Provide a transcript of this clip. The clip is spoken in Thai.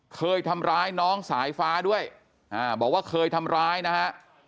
เคยทำร้ายน้องสายฟ้าด้วยบอกว่าเคยทำร้ายนะฮะ